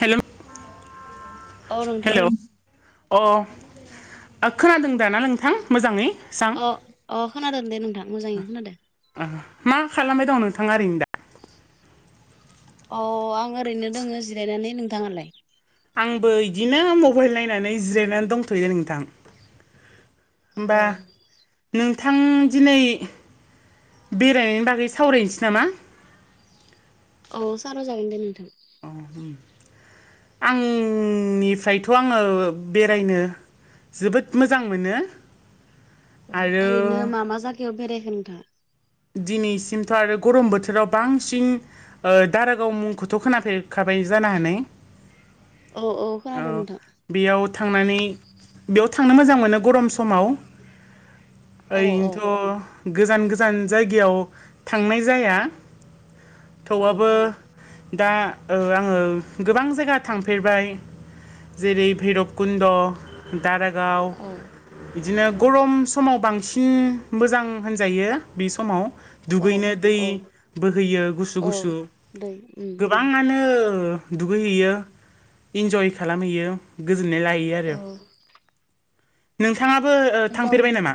हेल औ नोंथां हेलौ अ ओ खोनादों दाना नोंथां मोजाङै? सां अ अ खोनादों दे नोंथां मोजाङै खोनादों। मा खालामबाय दं नोंथाङा ओरैनो दा? अ आं ओरैनो दोङो जिरायनानै नोंथाङालाय? आंबो बिदिनो मबाइल नायनानै जिरायनानै दंथ'यो नोंथां। औ होमबा नोंथां दिनै बेरायनायनि बागै सावरायनोसै नामा? औ साराव जागोन दे नोंथां। अ उम। आंनिफ्रायथ' आङो बेरायनो जोबोद मोजां मोनो। आरो ओरैनो मा मा जायगायाव बेरायखो नोंथाङा? दिनैसिमथ' आरो गरम बोथोराव बांसिन ओ दारागाव मुंखौथ' खोनाफेरखा बाय जानो हानाय? औ औ खोनादों नोंथां बेयाव थांनानै बेयाव थांनो मोजां मोनो गरम समाव ओ औ इनोथ गोजान गोजान जायगायाव थांनाय जाया औ थेवबाबो दा ओ आङो गोबां जायगा थांफेरबाय जेरै भैरबकुन्द' दारागाव औ बिदिनो गरम समाव बांसिन मोजां होनजायो। बे समाव औ दुगैनो दै औ बोहैयो गुसु औ गुसु दै उम गोबाङानो दुगैयो इनजय खालामहैयो गो जोननाय औ लाहैयो‌। नोंथाङाबो ओ थांफेरबाय नामा?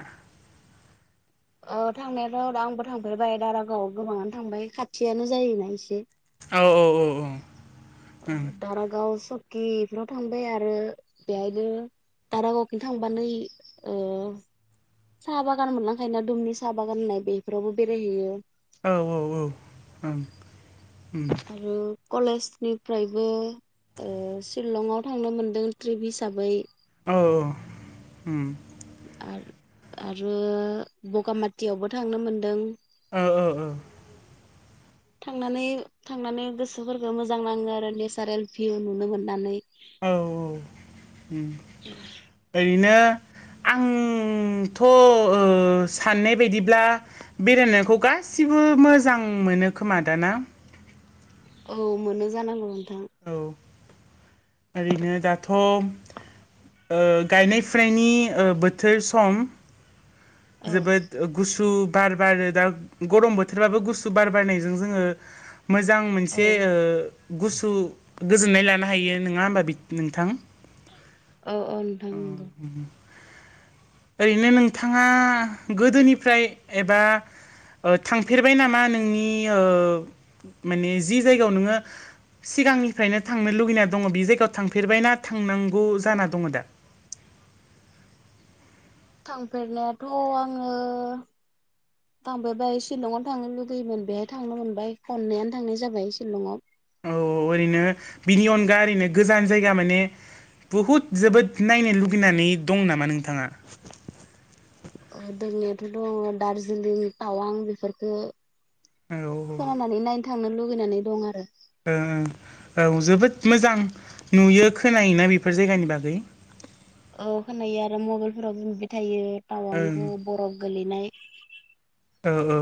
अ थांनायाथ' आंबो थांफेरबाय दारागाव आव गोबाङानो थांबाय खाथियानो जायोना एसे। औ औ औ औ दारागाव सकि इफोराव थांबाय आरो बेहायनो दारागावखै थांबानो ओ साहा बागान मोनलांखाय ना दुमनि साहा बागान होननाय बेफोरावबो बेरायहैयो। औ औ औ ओं। आरो कलेजनिफ्रायबो ओ सिलङाव थांनो मोनदों ट्रिप हिसाबै औ उम। आरो आरो बगामाथियावबो थांनो मोनदों। औ औ औ थांनानै थांनानै गोसोफोरखौ मोजां नाङो आरो नेसारेल भिउ नुनो मोननानै। औ औ उम ओरैनो आं उमथ' ओ साननाय बायदिब्ला बेरायनायखौ गासिबो मोजां मोनो खोमा दाना? औ मोनो जानांगौ औ ओरैनो दाथ' ओ गायनाय फुनायनि ओ बोथोर सम औ जोबोद गुसु बार बारो दा गरम बोथोरबाबो गुसु बार बारनायजों जोङो मोजां औ मोनसे ओ गुसु गोजोननाय लानो हायो नङा होमबा बि नोंथां? अ अ नोंथां नोंगौ। ओरैनो नोंथाङा गोदोनिफ्राय एबा थांफेरबाय नामा नोंनि माने जि जायगायाव नोङो सिगांनिफ्रायनो थांनो लुगैना दङ बे जायगायाव थांफेरबायनाा थांनांगौ जाना दं दा? [inaudible] थांफेरनायाथ' आङो थांफेरबाय शिलंआव थांनो लुगैयोमोन बेहाय थांनो मोनबाय खननैआनो थांनाय जाबाय शिलंआव। औ औ ओरैनो बिनि अनगा ओरैनो गोजान जायगा माने बुहुद जोबोद नायनो लुगैनानै दं नामा नोंथाङा? दोंनायाथ' दङ दार्जिलिं टावां बेफोरफोरखो औ थांनो लुगैनानै दं आरो ओ औ जोबोद मोजां नुयो खोनायोना बेफोर जायगानि बागै [inaudible] औ खोनायो आरो मबाइलफोरावबो नुबाय थायो। ओं [unintelligible] बर'फ गोलैनाय ओ ओ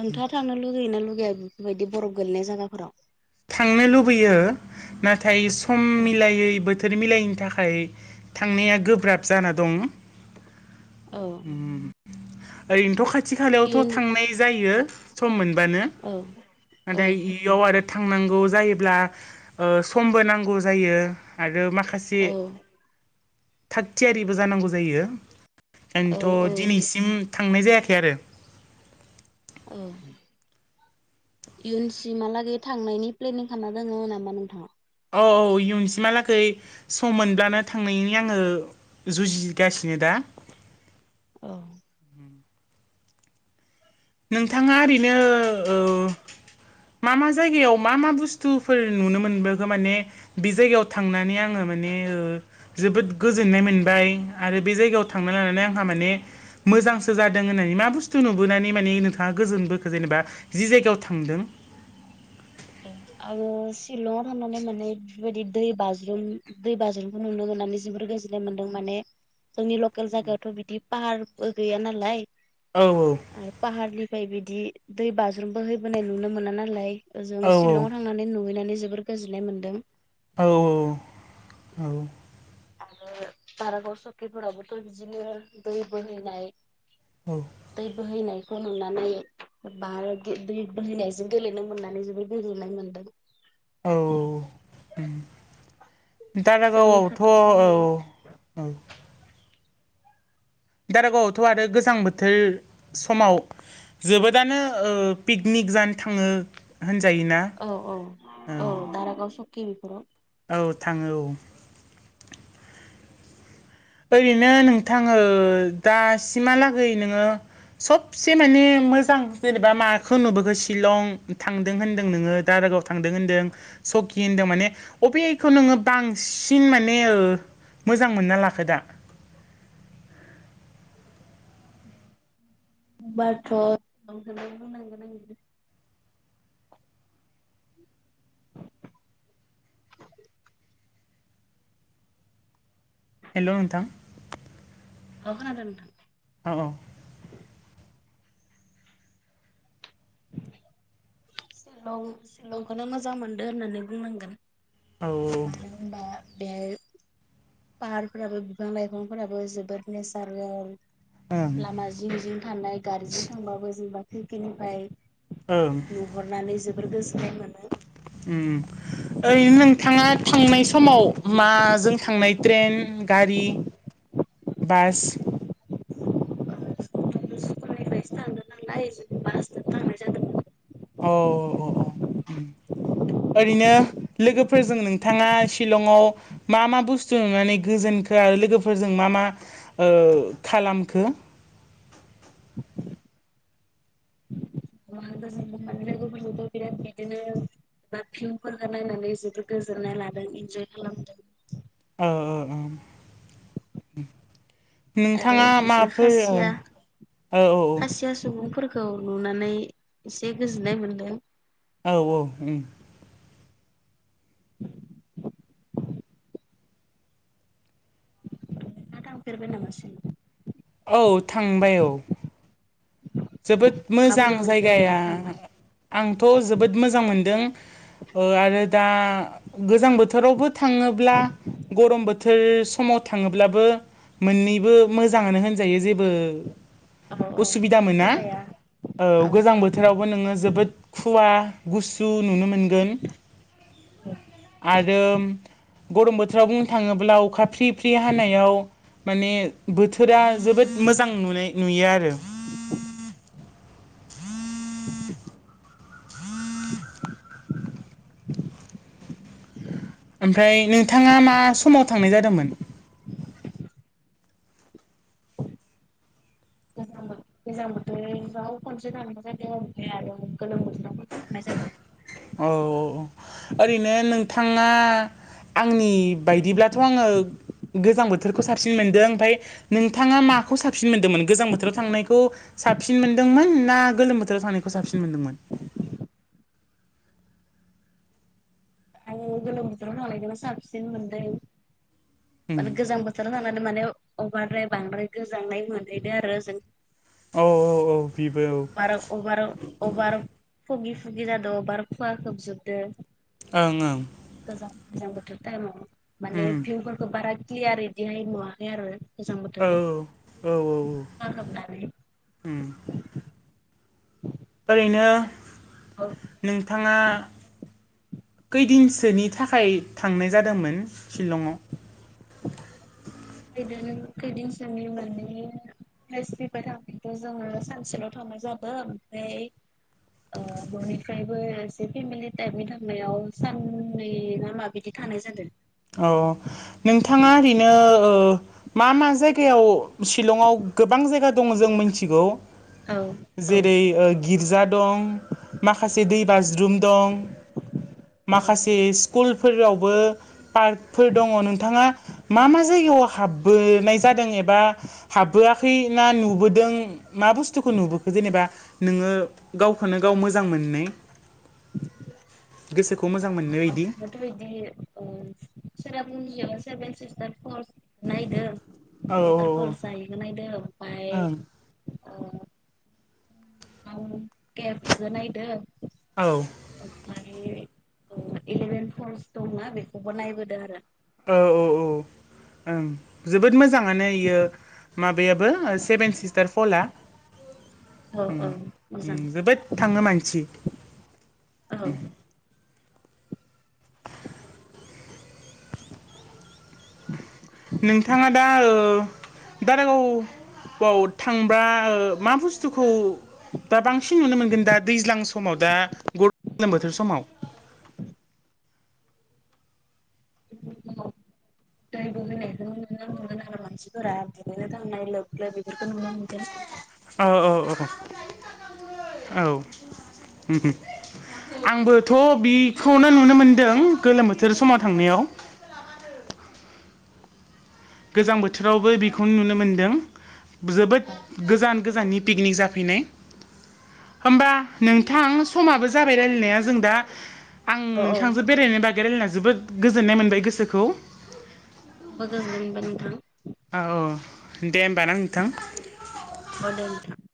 नोंथाङा थांनो लुगैनो लुगैया बेफोरबायदि बर'फ गोलैनाय जायगाफोराव? थांनो लुबैयो नाथाय सम मिलायैबोथो बोथोर मिलायनि थाखाय थांनाया गोब्राब जाना दं। औ ओरैनोथ'खाय खाथि खालायावथ' इयुन थांनाय जायो सम मोनबानो औ औ नाथाय इयाव आरो थांनांगौ जायोब्ला ओ समबो नांगौ जायो माखासे औ थागथियारिबो जानांगौ जायो। औ औ ओंखायथ' दिनैसिम थांनाय जायाखै आरो औ इयुन सिमहालागै थांनायनि प्लेनिं खालामना दङो नामा नोंथाङा? औ औ इयुनसिमहालागै सम मोनब्लानो थांनायनि आङो जुजिगासिनो सनि दा औ नोंथाङा ओरैनो ओ मा मा जायगायाव मा मा बुस्थुफोर नुनो मोनबो माने बे जायगायाव थांनानै आङो म माने ओ जोबोद गोजोननाय मोनबाय आरो बे जायगायाव थांना लानानै आंहा माने मोजांसो जादों होननानै मा बुस्थु नुबोनानै नोंथाङा गोजोन बोखो जेनेबा जि जायगायाव थांदों। आङो शिलंआव थांनानै माने बेबायदि दै बाज्रुम दै बाज्रुमखौ नुनो मोननानै जोबोर गो जोननाय मोनदों माने जोंनि लकेल जायगायावथ' बिदि पाहार बो गैया नालाय औ आरो फाहारनिफ्राय बिदि दै बाज्रुमबो हैबोनाय नुनो मोना नालाय जों औ शिलंआव थांनानै नुहैनानै जोबोर गोजोननाय मोन्दों। औ औ औ आरो दारागाव सकिफोराबोथ' बिदिनो दै बोहैनाय औ दै बोहैनाय फुननानै बार बोहैनायजों गेलेनो मोननानै जोबद गोजोननाय मोन्दों। औ औ औ जोंनि दारागावआवथ' खाथि जोंनि औ औ। दारागावआवथ' आरो गोजां बोथोर समाव जोबोदानो ओ पिकनिक जानो थाङो। होनजायोना औ औ औ दारागाव सकि बेफोराव औ थाङो औ। ओरैनो नोंथां ओ दासिमहालागै नोङो सबसे माने मोजां जेनेबा माखौ नुबोखो शिलं थांदों होनदों नोङो दारा गाव थांदों होनदों सकि होनदों माने अबेखौ नोङो बांसिन माने ओ मोजां मोनना लाखो दा? होनबाथ' सिलंखोनो बुंनांगोन आङो। हेल' नोंथां औ खोनादों नोंथां। अ अ शिलं शिलंखौनो मोजां मोनदो होननानै बुंनांगोन। औ मानो होनबा बे पाहारफोराबो बिफां लाइफांफोराबो जोबोद नेचारेल। ओं लामा जिं जिं थानाय गारि जिं थांबाबो जेनबा खिरखिनिफ्राय ओं नुहरनानै जोबोर गोजोन उम ओरैनो नोंथाङा थांनाय समाव मा जों थांनाय ट्रेन गारि बास? सो थांनो नांलाय बासोंसो थांनाय जादोंमोन। औ औ औ उम ओरैनो लोगोफोरजों नोंथाङा शिलंआव मा मा बुस्थु नुनानै गोजोन खो लोगोफोरजों मा मा ओ खालामखो? [unintelligible] बिराद बिदिनो बा भिउमफोरखौ नायनानै जोबोद गोजोननाय लादों इनजय खालामदों। औ औ औ आरो नोंथाङा बिजों माफोर ओ‌ खासिया औ औ औ खौ नुनानै एसे गोजोननाय मोनदों। औ औ उम नोंथाङा थांफेरबाय नामा सिलं? औ थांबाय औ। जोबोद मोजां माबोरै मोनखो जायगाया नोंथाङा थांना? आंथ' जोबोद मोजां मोनदों। ओ आरो दा गोजां बोथोरावबो थाङोब्ला गरम बोथोर समाव थाङोब्लाबो मोननैबो मोजाङानो होनजायो जेब औ बो औ असुबिदा मोना। सोलाया औ औ गोजां बोथोरावबो नोङो जोबोद खुवा गुसु नुनो मोनगोन आरो गरम बोथोराव बुंनो थाङो ब्ला कखा‌ फ्रि फ्रि हानायाव माने बोथोरा जोबोद मोजां नुनाय नुयो आरो। [inaudible] ओमफ्राय नोंथाङा मा समाव थांनाय जादोंमोन? गोजां बोथोराव खनसे थांनाय जादों आरो गोलोम बोथोराव खनसे थांनाय जादों। औ औ औ ओरैनो नोंथाङा आंनि बायदिब्लाथ' आङो गोजां बोथोरखौ साबसिन मोनदों ओमफाय नोंथाङा माखौ साबसिन मोनदोंमोन गोजां बोथोराव थांनायखौ साबसिन मोन्दोंमोन ना गोलोम बोथोराव थांनायखौ साबसिन मोनदोंमोन? गोलोम बोथोराव थांनायखौनो साबसिन मोनदों माने गोजां बोथोराव ज जानो माने अबारद्राय बांद्राय गोजांनाय मोनहैदो आरो जों उम औ औ औ बेबो अबार अबार अबार फुगि फुगि जादो अबार खुवा खोबजोबदों ओं ओं गोजां गोजां बोथोर टाइमाव माने उम भिउफोरखौ बारा क्लियारै बिहाय नुवाखै आरो। गोजां औ औ औ बोथोराव उम [unintelligible] ओरैनो नोंथाङा खैदिनसोनि थाखाय थांनाय जादोंमोन शिलंआव खैदिन खैदिनसोनि माने कलेज फैबाय थांनानैथ' जोङो सानसेल' थांनाय जादों ओमफ्राय ओ न'निफ्रायबो एसे फेमिलि टाइपनि थांनायाव साननै ना मा बियदि थानाय जादों अ नोंथाङा ओरैनो ओ मा मा जायगायाव शिलंआव गोबां जायगा दङ जों मिथिगौ औ औ जेरै ओ गिर्जा दं माखासे औ दैबाज्रुम दं औ माखासे स्कुलफोरावबो पार्कफोर दङ नोंथाङा मा मा जायगायाव हाबबोनाय जादों एबा हाबबोआ खै ना नुबोदों मा बुस्थुखौ नुबोखो जेनेबा नोङो गावखौनो गाव मोजां मोनै गोसोखौ मोजां मोनो आंथ बिदि ओ सेरापुनजियाव सेभेन सिस्थार पलस नायदो औ वाटारफल जाहैखौ नायदों ओमफाय औ ओ केप इखौ नायदों औ ओमफ्राय इलेभेन फलस दंना बेखौबो नायबोदों आरो। औ औ औ ओं जोबोद मो मोजांआनो इयो माबायाबो सेभेन सिस्टार फला औ ओम औ ओम मोजां जोबोद थाङो मानसि औ नोंथाङा दा ओ दारागावाव थांबा मा बुस्थुखौ दा बांसिन नुनो मोनगोन दा दैज्लां समाव दा ग गोलोम बोथोर समाव। [inaudible] दै बोहैनायखौ नुनो मोनगोन हालो हालो मानसिफोरा दुगैनो थांनाइ लोब लोब बेफोरखौनो मोनगोन औ औ औ औ ओम ओम आंबोथ' बिखौनो नुनो मोनदों गोलोम बोथोर समाव थांनायाव आरो गोजां बोथोरावबो औ बेखौनो नुनो मोनदों जोबोद गोजान गोजाननि पिकनिक जाफैनाय होमबा नोंथां समाबो जाबाय रायलायनाया जों दा आं औ नोंथांजों आंबो बेरायनायनि बागै रायलायना जोबोद गोजोननाय मोनबाय गोसोखौ मोजां मोन औ औ दे होमबा ना नोंथां। नोंथां